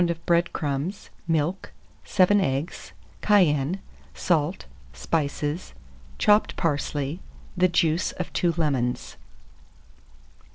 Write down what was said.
of bread crumbs, milk, 7 eggs, cayenne, salt, spices, chopped parsley, the juice of 2 lemons.